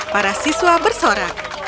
para siswa bersorak